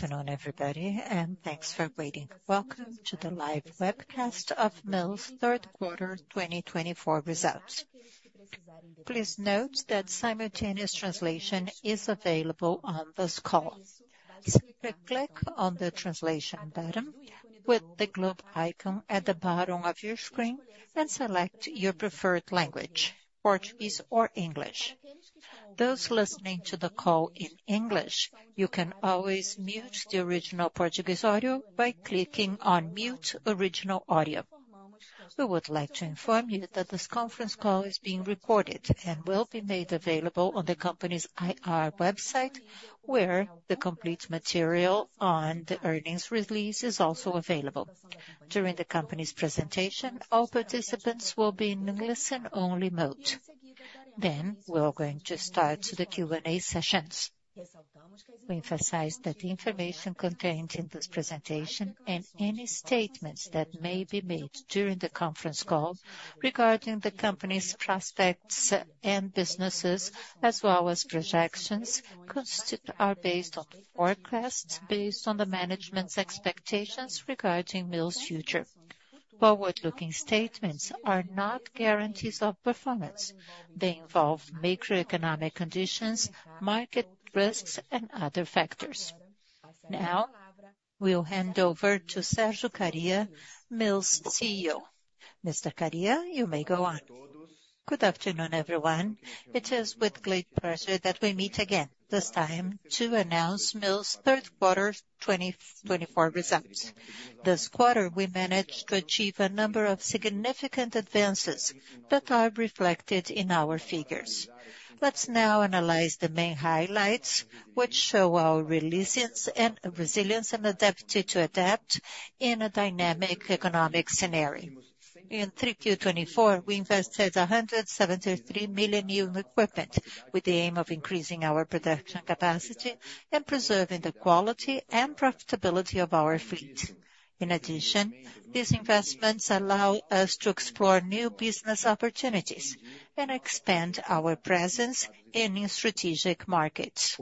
Afternoon, everybody, and thanks for waiting. Welcome to the live webcast of Mills' Third Quarter 2024 results. Please note that simultaneous translation is available on this call. Click on the translation button with the globe icon at the bottom of your screen and select your preferred language: Portuguese or English. Those listening to the call in English, you can always mute the original Portuguese audio by clicking on "Mute Original Audio." We would like to inform you that this conference call is being recorded and will be made available on the company's IR website, where the complete material on the earnings release is also available. During the company's presentation, all participants will be in listen-only mode. Then we're going to start the Q&A sessions. We emphasize that the information contained in this presentation and any statements that may be made during the conference call regarding the company's prospects and businesses, as well as projections, are based on forecasts based on the management's expectations regarding Mills' future. Forward-looking statements are not guarantees of performance. They involve macroeconomic conditions, market risks, and other factors. Now, we'll hand over to Sérgio Kariya, Mills' CEO. Mr. Kariya, you may go on. Good afternoon, everyone. It is with great pleasure that we meet again, this time to announce Mills' Third Quarter 2024 results. This quarter, we managed to achieve a number of significant advances that are reflected in our figures. Let's now analyze the main highlights, which show our resilience and adaptability to adapt in a dynamic economic scenario. In 3Q 2024, we invested 173 million in new equipment, with the aim of increasing our production capacity and preserving the quality and profitability of our fleet. In addition, these investments allow us to explore new business opportunities and expand our presence in strategic markets.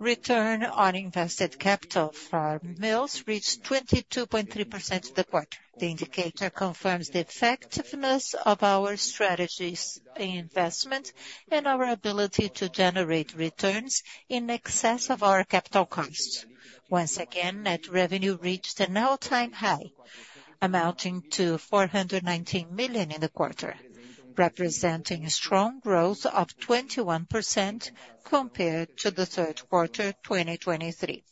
Return on invested capital from Mills reached 22.3% of the quarter. The indicator confirms the effectiveness of our strategies in investment and our ability to generate returns in excess of our capital costs. Once again, net revenue reached an all-time high, amounting to 419 million in the quarter, representing a strong growth of 21% compared to the third quarter 2023.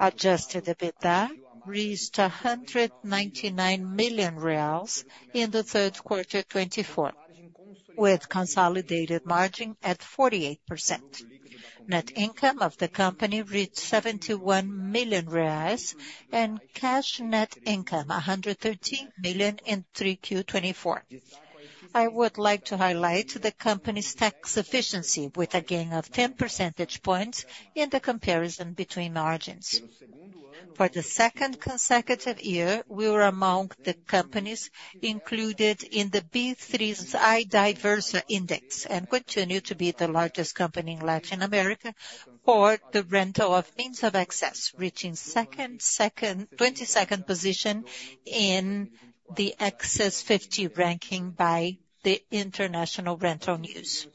Adjusted EBITDA reached BRL 199 million in third quarter 2024, with consolidated margin at 48%. Net income of the company reached 71 million reais, and cash net income 113 million in 3Q 2024. I would like to highlight the company's tax efficiency, with a gain of 10 percentage points in the comparison between margins. For the second consecutive year, we were among the companies included in the B3 IDIVERSA Index and continue to be the largest company in Latin America for the rental of means of access, reaching 22nd position in the Access50 ranking by the International Rental News.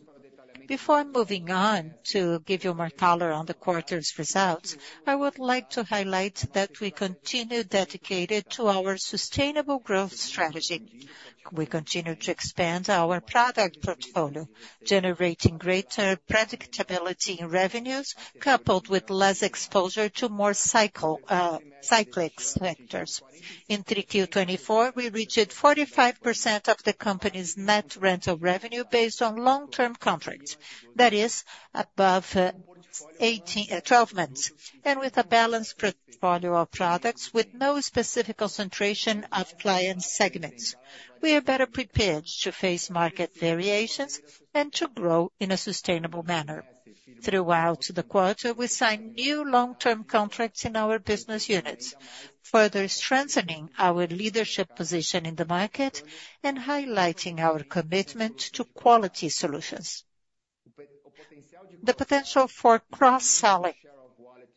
Before moving on to give you more color on the quarter's results, I would like to highlight that we continue dedicated to our sustainable growth strategy. We continue to expand our product portfolio, generating greater predictability in revenues, coupled with less exposure to more cyclical sectors. In 3Q 2024, we reached 45% of the company's net rental revenue based on long-term contracts, that is, above 12 months, and with a balanced portfolio of products with no specific concentration of client segments. We are better prepared to face market variations and to grow in a sustainable manner. Throughout the quarter, we signed new long-term contracts in our business units, further strengthening our leadership position in the market and highlighting our commitment to quality solutions. The potential for cross-selling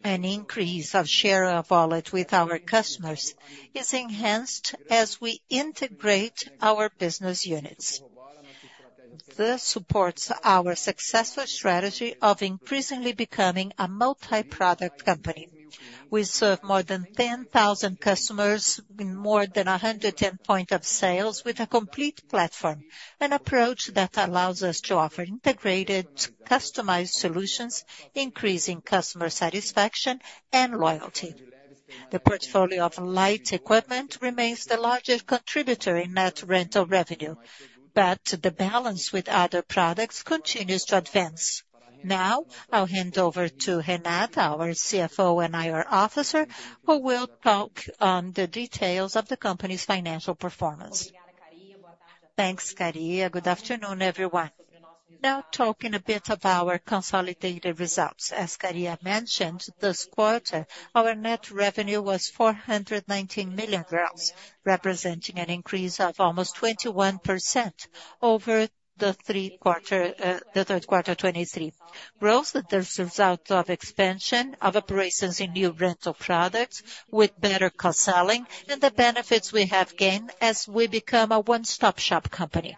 and increase of share of wallet with our customers is enhanced as we integrate our business units. This supports our successful strategy of increasingly becoming a multi-product company. We serve more than 10,000 customers with more than 110 points of sales with a complete platform, an approach that allows us to offer integrated, customized solutions, increasing customer satisfaction and loyalty. The portfolio of light equipment remains the largest contributor in net rental revenue, but the balance with other products continues to advance. Now, I'll hand over to Renata, our CFO and IR Officer, who will talk on the details of the company's financial performance. Thanks, Kariya. Good afternoon, everyone. Now, talking a bit about our consolidated results. As Kariya mentioned, this quarter, our net revenue was 419 million, representing an increase of almost 21% over the third quarter 2023. Growth that results from the expansion of operations in new rental products, with better cross-selling, and the benefits we have gained as we become a one-stop-shop company.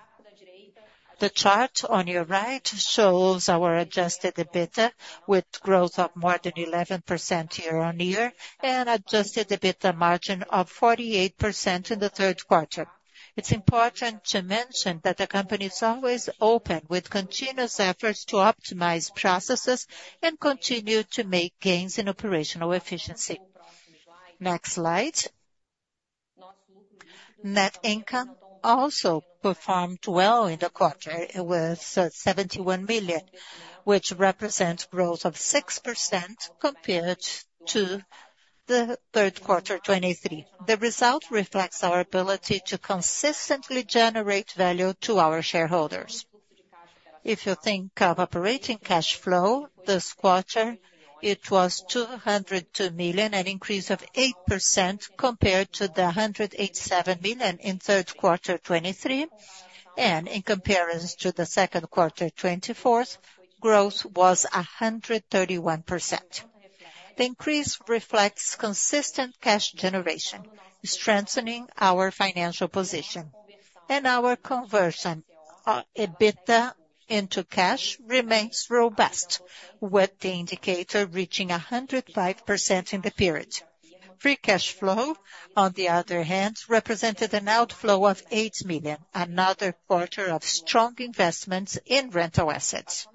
The chart on your right shows our Adjusted EBITDA, with growth of more than 11% year-on-year and an Adjusted EBITDA margin of 48% in the third quarter. It's important to mention that the company is always open, with continuous efforts to optimize processes and continue to make gains in operational efficiency. Next slide. Net income also performed well in the quarter, with 71 million, which represents growth of 6% compared to the third quarter 2023. The result reflects our ability to consistently generate value to our shareholders. If you think of operating cash flow, this quarter, it was 202 million, an increase of 8% compared to the 187 million in third quarter 2023, and in comparison to the second quarter 2024, growth was 131%. The increase reflects consistent cash generation, strengthening our financial position. And our conversion of EBITDA into cash remains robust, with the indicator reaching 105% in the period. Free cash flow, on the other hand, represented an outflow of 8 million, another quarter of strong investments in rental assets.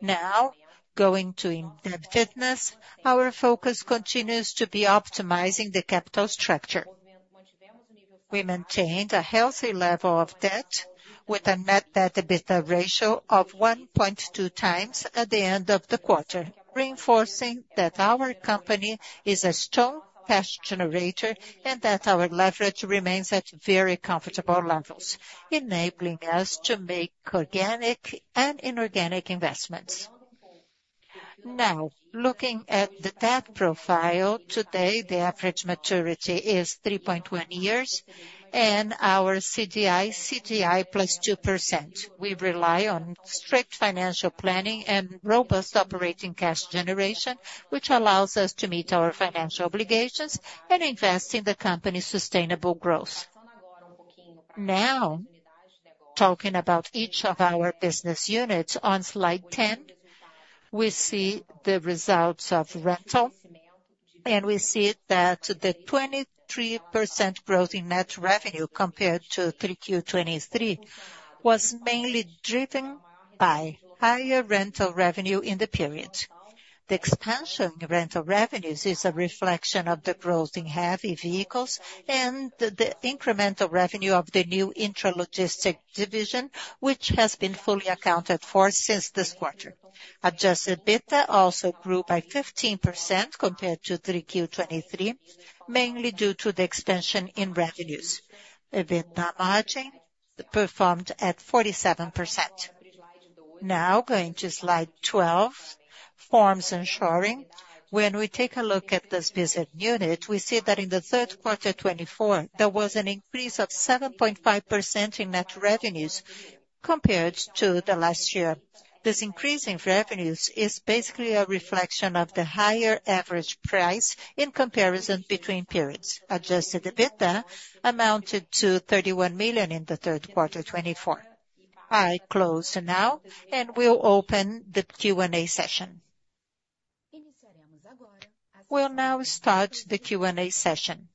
Now, going to indebtedness, our focus continues to be optimizing the capital structure. We maintained a healthy level of debt, with a net debt-to-EBITDA ratio of 1.2 times at the end of the quarter, reinforcing that our company is a strong cash generator and that our leverage remains at very comfortable levels, enabling us to make organic and inorganic investments. Now, looking at the debt profile, today the average maturity is 3.1 years and our CDI plus 2%. We rely on strict financial planning and robust operating cash generation, which allows us to meet our financial obligations and invest in the company's sustainable growth. Now, talking about each of our business units, on slide 10, we see the results of rental, and we see that the 23% growth in net revenue compared to 3Q 2023 was mainly driven by higher rental revenue in the period. The expansion in rental revenues is a reflection of the growth in heavy vehicles and the incremental revenue of the new Intralogistics Division, which has been fully accounted for since this quarter. Adjusted EBITDA also grew by 15% compared to 3Q 2023, mainly due to the expansion in revenues. EBITDA margin performed at 47%. Now, going to slide 12, Forms and Shoring. When we take a look at this business unit, we see that in the third quarter 2024, there was an increase of 7.5% in net revenues compared to the last year. This increase in revenues is basically a reflection of the higher average price in comparison between periods. Adjusted EBITDA amounted to 31 million in the third quarter 2024. I close now, and we'll open the Q&A session. We'll now start the Q&A session.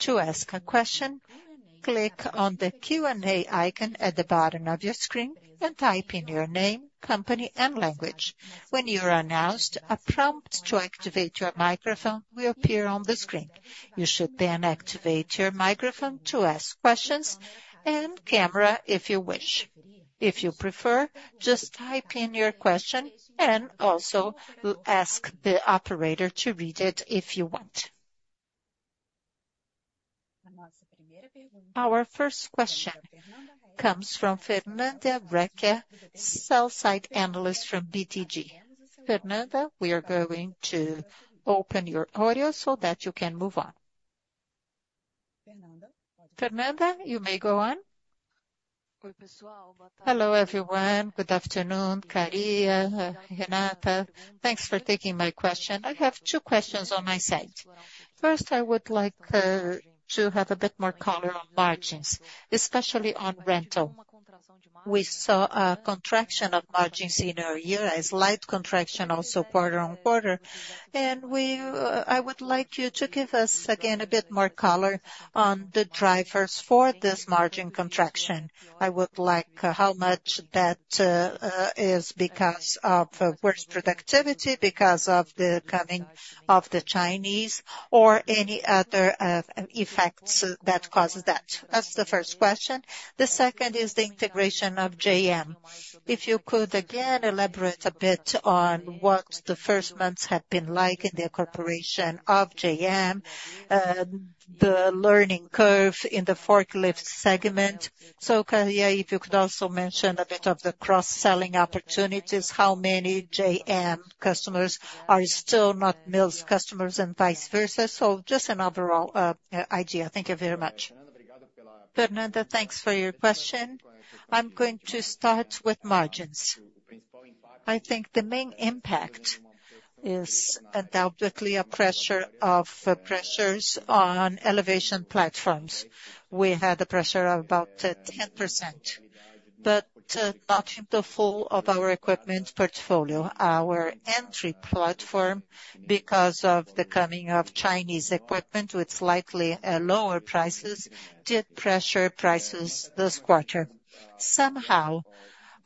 To ask a question, click on the Q&A icon at the bottom of your screen and type in your name, company, and language. When you're announced, a prompt to activate your microphone will appear on the screen. You should then activate your microphone to ask questions and camera if you wish. If you prefer, just type in your question and also ask the operator to read it if you want. Our first question comes from Fernanda Recchia, sell-side analyst from BTG. Fernanda, we are going to open your audio so that you can move on. Fernanda, you may go on. Hello, everyone. Good afternoon, Kariya, Renata. Thanks for taking my question. I have two questions on my side. First, I would like to have a bit more color on margins, especially on rental. We saw a contraction of margins year-over-year, a slight contraction also quarter-on-quarter, and I would like you to give us again a bit more color on the drivers for this margin contraction. I would like to know how much that is because of worse productivity, because of the coming of the Chinese, or any other effects that cause that. That's the first question. The second is the integration of JM. If you could again elaborate a bit on what the first months have been like in the incorporation of JM, the learning curve in the forklift segment, so Kariya, if you could also mention a bit of the cross-selling opportunities, how many JM customers are still not Mills customers and vice versa, so just an overall idea. Thank you very much. Fernanda, thanks for your question. I'm going to start with margins. I think the main impact is undoubtedly price pressures on elevation platforms. We had a price pressure of about 10%, but not for all of our equipment portfolio. Our aerial platform, because of the entry of Chinese equipment with slightly lower prices, did pressure prices this quarter. Somehow,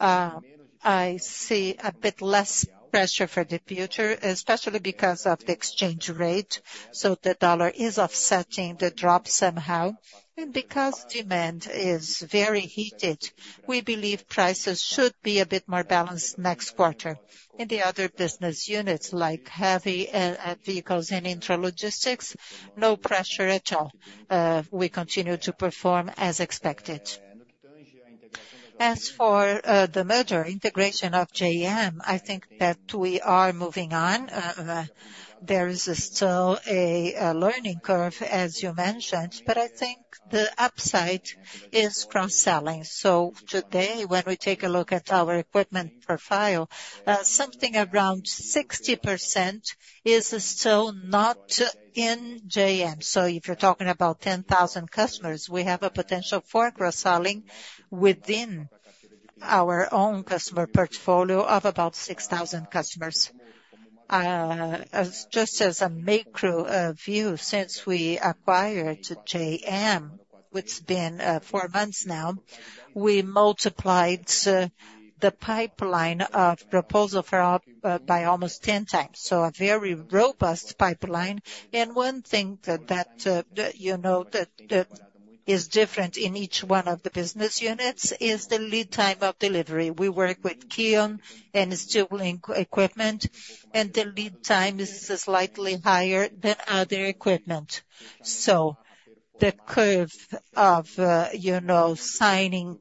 I see a bit less pressure for the future, especially because of the exchange rate, so the dollar is offsetting the drop somehow. And because demand is very heated, we believe prices should be a bit more balanced next quarter. In the other business units, like heavy vehicles and intralogistics, no pressure at all. We continue to perform as expected. As for the major integration of JM, I think that we are moving on. There is still a learning curve, as you mentioned, but I think the upside is cross-selling. So today, when we take a look at our equipment profile, something around 60% is still not in JM. So if you're talking about 10,000 customers, we have a potential for cross-selling within our own customer portfolio of about 6,000 customers. Just as a macro view, since we acquired JM, which has been four months now, we multiplied the pipeline of proposal for by almost 10 times. So a very robust pipeline. And one thing that you know that is different in each one of the business units is the lead time of delivery. We work with KION and STILL equipment, and the lead time is slightly higher than other equipment. So the curve of signing/performing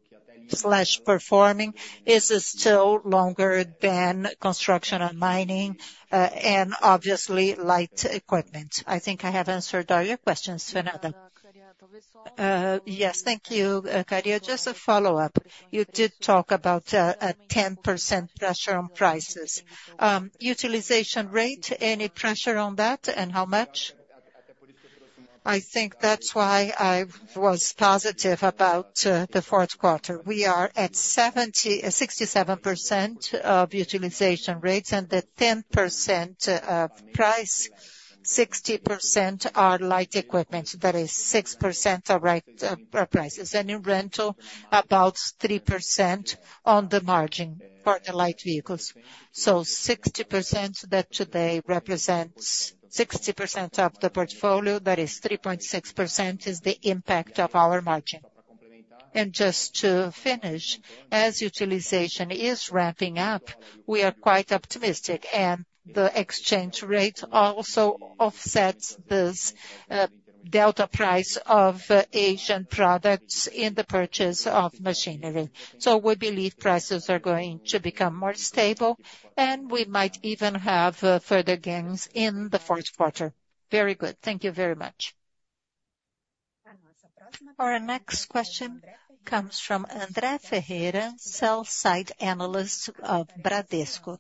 is still longer than construction and mining and obviously light equipment. I think I have answered all your questions, Fernanda. Yes, thank you, Kariya. Just a follow-up. You did talk about a 10% pressure on prices. Utilization rate, any pressure on that and how much? I think that's why I was positive about the fourth quarter. We are at 67% of utilization rates and the 10% of price, 60% are light equipment. That is 6% of prices. And in rental, about 3% on the margin for the light vehicles. So 60% that today represents 60% of the portfolio, that is 3.6% is the impact of our margin. And just to finish, as utilization is ramping up, we are quite optimistic, and the exchange rate also offsets this delta price of Asian products in the purchase of machinery. So we believe prices are going to become more stable, and we might even have further gains in the fourth quarter. Very good. Thank you very much. Our next question comes from André Ferreira, sell-side analyst of Bradesco.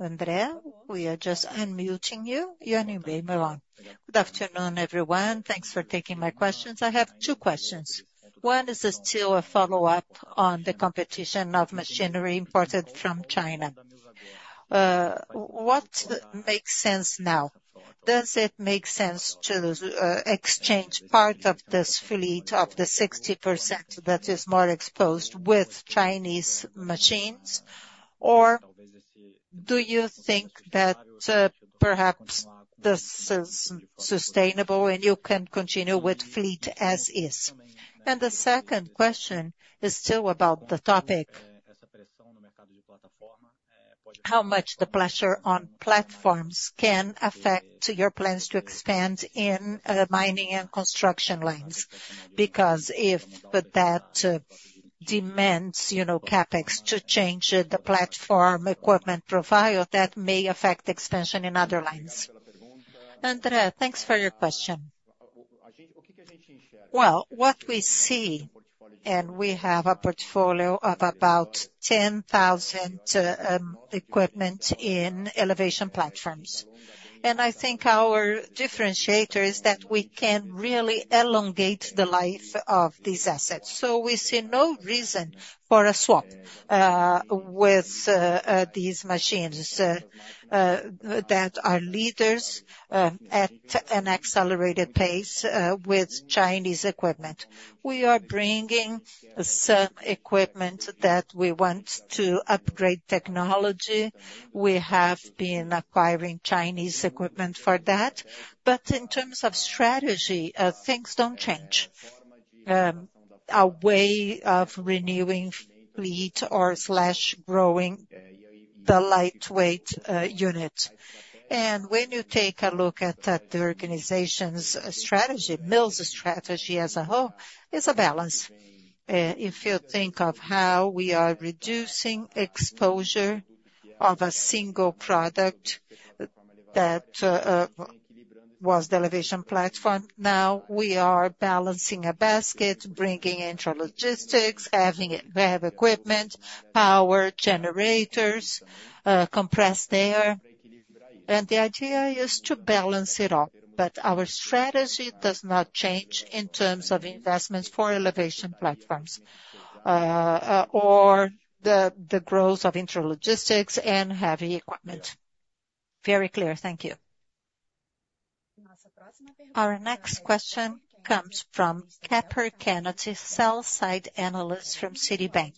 André, we are just unmuting you. You're on your way. Good afternoon, everyone. Thanks for taking my questions. I have two questions. One is still a follow-up on the competition of machinery imported from China. What makes sense now? Does it make sense to exchange part of this fleet of the 60% that is more exposed with Chinese machines, or do you think that perhaps this is sustainable and you can continue with fleet as is? And the second question is still about the topic. How much the pressure on platforms can affect your plans to expand in mining and construction lines? Because if that demands CapEx to change the platform equipment profile, that may affect expansion in other lines. André, thanks for your question. Well, what we see, and we have a portfolio of about 10,000 equipment in elevation platforms. And I think our differentiator is that we can really elongate the life of these assets. So we see no reason for a swap with these machines that are leaders at an accelerated pace with Chinese equipment. We are bringing some equipment that we want to upgrade technology. We have been acquiring Chinese equipment for that. But in terms of strategy, things don't change. Our way of renewing fleet or slash growing the lightweight unit. And when you take a look at the organization's strategy, Mills' strategy as a whole is a balance. If you think of how we are reducing exposure of a single product that was the elevation platform, now we are balancing a basket, bringing intralogistics, having equipment, power, generators, compressed air. And the idea is to balance it all. But our strategy does not change in terms of investments for elevation platforms or the growth of intralogistics and heavy equipment. Very clear. Thank you. Our next question comes from Kennethy Kappur, sell-side analyst from Citibank.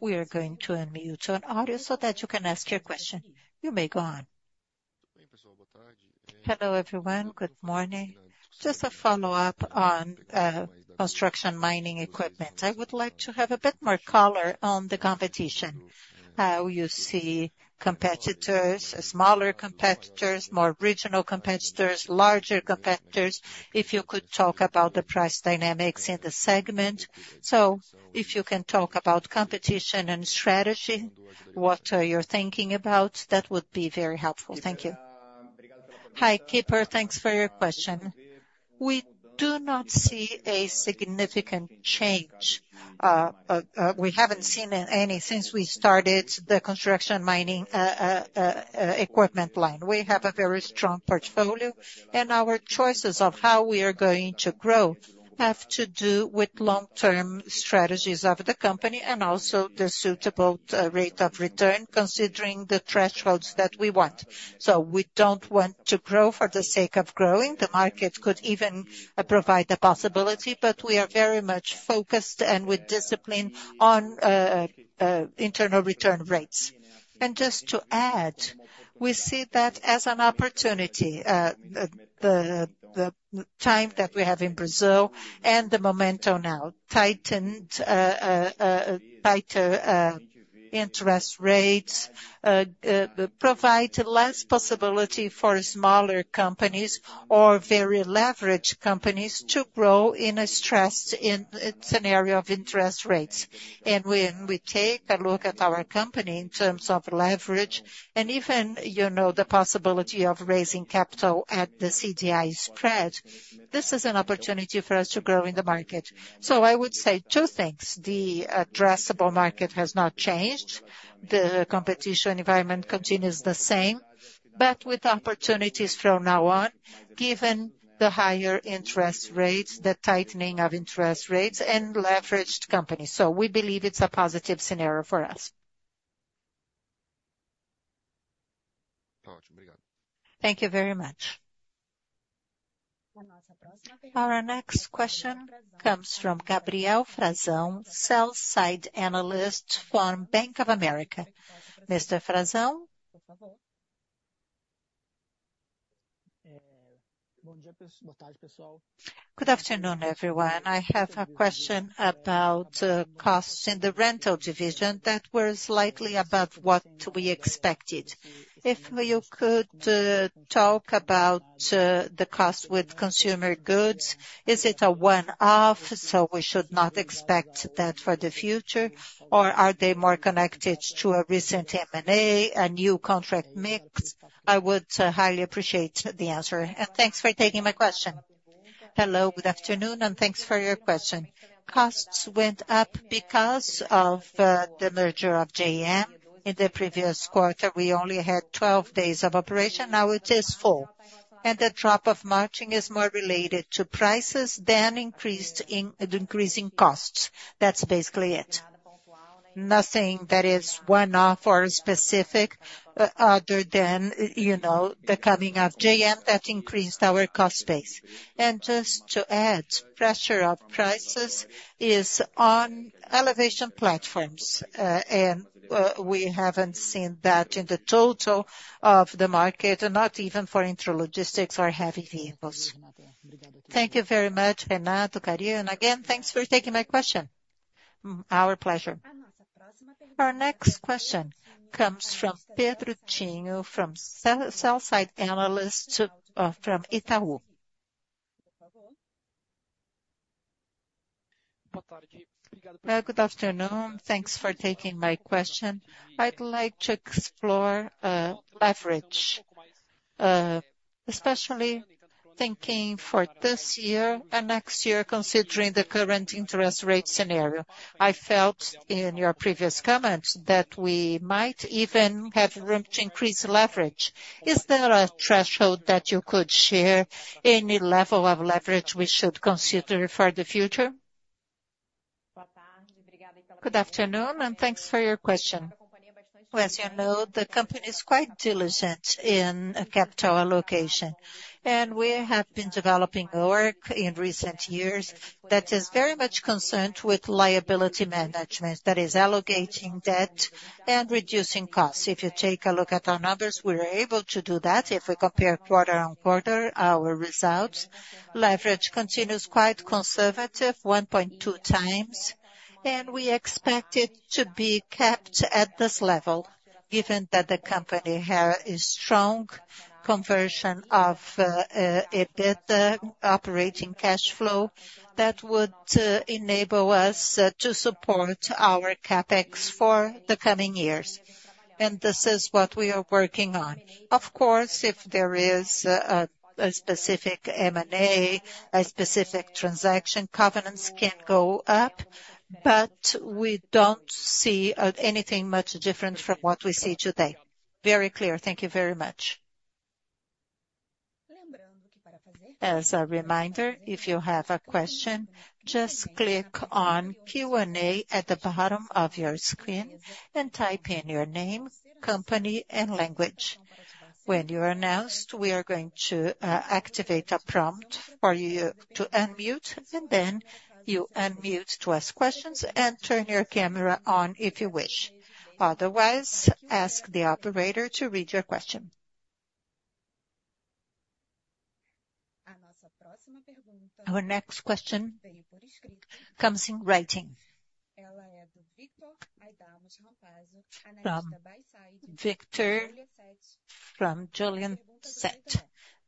We are going to unmute on audio so that you can ask your question. You may go on. Hello everyone. Good morning. Just a follow-up on construction mining equipment. I would like to have a bit more color on the competition. How you see competitors, smaller competitors, more regional competitors, larger competitors. If you could talk about the price dynamics in the segment. So if you can talk about competition and strategy, what are you thinking about? That would be very helpful. Thank you. Hi, Kappur. Thanks for your question. We do not see a significant change. We haven't seen any since we started the construction mining equipment line. We have a very strong portfolio, and our choices of how we are going to grow have to do with long-term strategies of the company and also the suitable rate of return considering the thresholds that we want. So we don't want to grow for the sake of growing. The market could even provide the possibility, but we are very much focused and with discipline on internal return rates. And just to add, we see that as an opportunity. The time that we have in Brazil and the momentum now, tighter interest rates provide less possibility for smaller companies or very leveraged companies to grow in a stressed scenario of interest rates. And when we take a look at our company in terms of leverage and even the possibility of raising capital at the CDI spread, this is an opportunity for us to grow in the market. So I would say two things. The addressable market has not changed. The competition environment continues the same, but with opportunities from now on, given the higher interest rates, the tightening of interest rates, and leveraged companies. So we believe it's a positive scenario for us. Thank you very much. Our next question comes from Gabriel Frazao, sell-side analyst from Bank of America. Mr. Frazao. Good afternoon, everyone. I have a question about costs in the rental division that were slightly above what we expected. If you could talk about the cost with consumer goods, is it a one-off, so we should not expect that for the future, or are they more connected to a recent M&A, a new contract mix? I would highly appreciate the answer. And thanks for taking my question. Hello, good afternoon, and thanks for your question. Costs went up because of the merger of JM. In the previous quarter, we only had 12 days of operation. Now it is full. And the drop in margin is more related to prices than increasing costs. That's basically it. Nothing that is one-off or specific other than the coming of JM that increased our cost base. And just to add, pressure of prices is on elevation platforms, and we haven't seen that in the total of the market, not even for intralogistics or heavy vehicles. Thank you very much, Renata, Kariya, and again, thanks for taking my question. Our pleasure. Our next question comes from Pedro Tíneo, sell-side analyst from Itaú BBA. Good afternoon. Thanks for taking my question. I'd like to explore leverage, especially thinking for this year and next year, considering the current interest rate scenario. I felt in your previous comments that we might even have room to increase leverage. Is there a threshold that you could share? Any level of leverage we should consider for the future? Good afternoon, and thanks for your question. As you know, the company is quite diligent in capital allocation, and we have been developing work in recent years that is very much concerned with liability management, that is, allocating debt and reducing costs. If you take a look at our numbers, we are able to do that. If we compare quarter on quarter, our results, leverage continues quite conservative, 1.2 times, and we expect it to be kept at this level, given that the company has a strong conversion of EBITDA to operating cash flow that would enable us to support our CapEx for the coming years. And this is what we are working on. Of course, if there is a specific M&A, a specific transaction covenant, it can go up, but we don't see anything much different from what we see today. Very clear. Thank you very much. As a reminder, if you have a question, just click on Q&A at the bottom of your screen and type in your name, company, and language. When you are announced, we are going to activate a prompt for you to unmute, and then you unmute to ask questions and turn your camera on if you wish. Otherwise, ask the operator to read your question. Our next question comes in writing. Victor from Genial.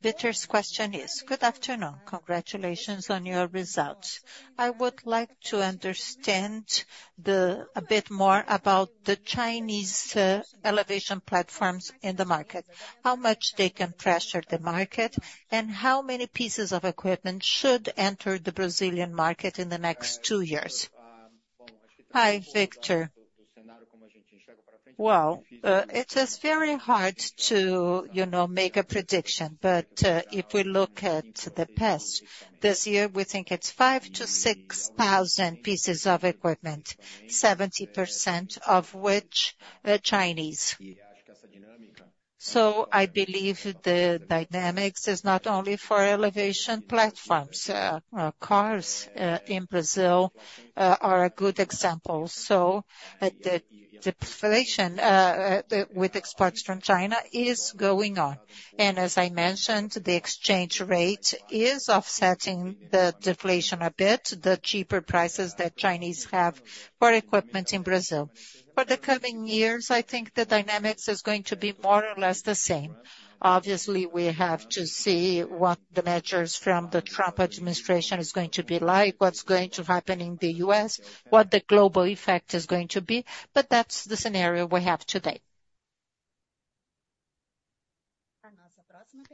Victor's question is, "Good afternoon. Congratulations on your results. I would like to understand a bit more about the Chinese elevation platforms in the market, how much they can pressure the market, and how many pieces of equipment should enter the Brazilian market in the next two years." Hi, Victor. It is very hard to make a prediction, but if we look at the past, this year, we think it's 5,000-6,000 pieces of equipment, 70% of which are Chinese. I believe the dynamics is not only for elevation platforms. Cars in Brazil are a good example. The deflation with exports from China is going on. As I mentioned, the exchange rate is offsetting the deflation a bit, the cheaper prices that Chinese have for equipment in Brazil. For the coming years, I think the dynamics is going to be more or less the same. Obviously, we have to see what the measures from the Trump administration are going to be like, what's going to happen in the U.S., what the global effect is going to be, but that's the scenario we have today.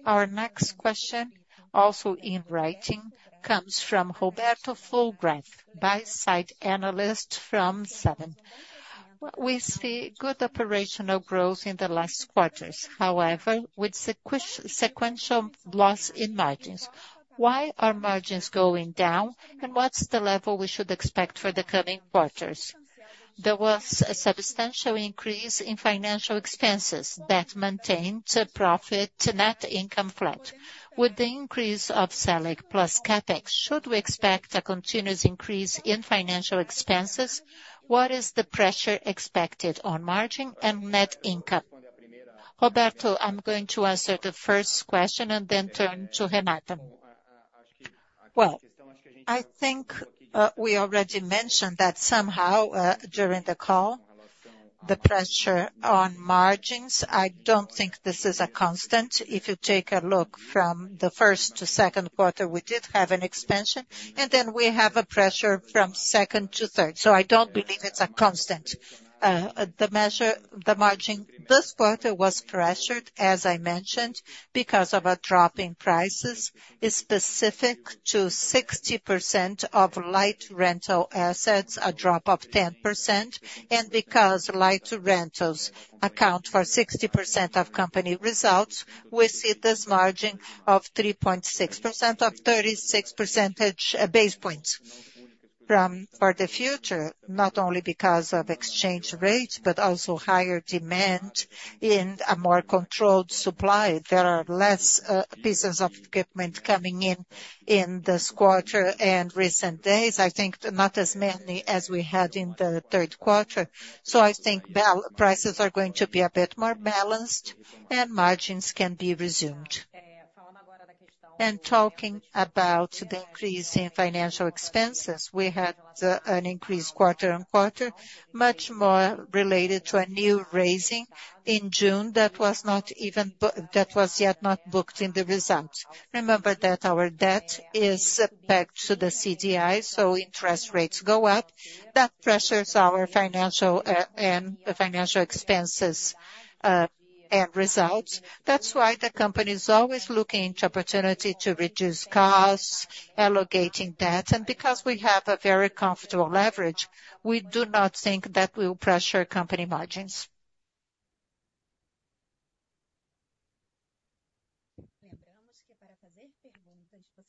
Our next question, also in writing, comes from Roberto Fulgrave, buy-side analyst from Seven. We see good operational growth in the last quarters. However, with sequential loss in margins. Why are margins going down, and what's the level we should expect for the coming quarters? There was a substantial increase in financial expenses that maintained profit net income flat. With the increase of Selic plus CapEx, should we expect a continuous increase in financial expenses? What is the pressure expected on margin and net income? Roberto, I'm going to answer the first question and then turn to Renata. Well, I think we already mentioned that somehow during the call, the pressure on margins, I don't think this is a constant. If you take a look from the first to second quarter, we did have an expansion, and then we have a pressure from second to third. So I don't believe it's a constant. The margin this quarter was pressured, as I mentioned, because of a drop in prices specific to 60% of light rental assets, a drop of 10%, and because light rentals account for 60% of company results, we see this margin of 3.6%, or 36 percentage basis points for the future, not only because of exchange rates, but also higher demand in a more controlled supply. There are less pieces of equipment coming in in this quarter and recent days. I think not as many as we had in the third quarter. So I think prices are going to be a bit more balanced, and margins can be resumed. And talking about the increase in financial expenses, we had an increase quarter-on-quarter, much more related to a new raising in June that was not even yet not booked in the results. Remember that our debt is back to the CDI, so interest rates go up. That pressures our financial expenses and results. That's why the company is always looking into opportunity to reduce costs, allocating debt, and because we have a very comfortable leverage, we do not think that we will pressure company margins.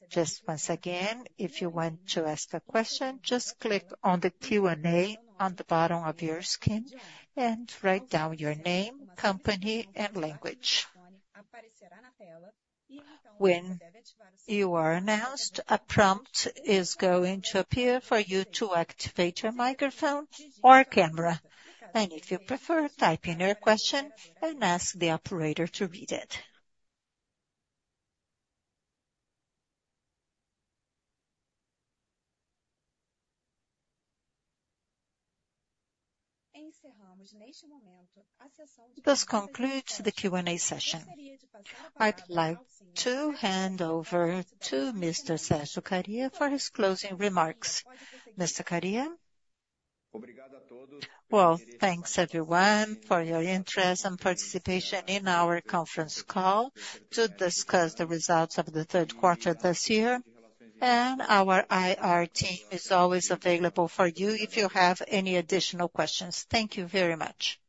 Just once again, if you want to ask a question, just click on the Q&A on the bottom of your screen and write down your name, company, and language. When you are announced, a prompt is going to appear for you to activate your microphone or camera. If you prefer, type in your question and ask the operator to read it. This concludes the Q&A session. I'd like to hand over to Mr. Sérgio Kariya for his closing remarks. Mr. Kariya? Well, thanks everyone for your interest and participation in our conference call to discuss the results of the third quarter this year. And our IR team is always available for you if you have any additional questions. Thank you very much.